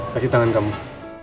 kasih tangan kamu